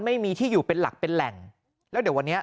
ไม่มีที่อยู่เป็นหลักเป็นแหล่งแล้วเดี๋ยววันนี้